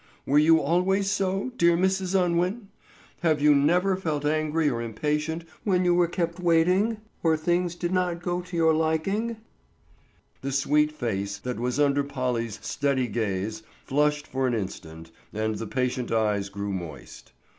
Were you always so, dear Mrs. Unwin? Have you never felt angry or impatient when you were kept waiting or things did not go to your liking?" The sweet face that was under Polly's steady gaze flushed for an instant and the patient eyes grew moist.